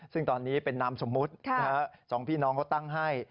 ซึ่งตอนนี้เป็นนามสมมุติสองพี่น้องเขาตั้งให้